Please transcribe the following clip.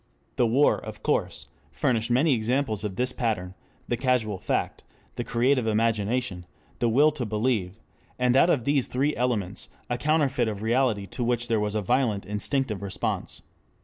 The war, of course, furnished many examples of this pattern: the casual fact, the creative imagination, the will to believe, and out of these three elements, a counterfeit of reality to which there was a violent instinctive response.